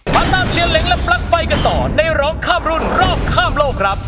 มาตามเชียร์เหล็งและปลั๊กไฟกันต่อในร้องข้ามรุ่นรอบข้ามโลกครับ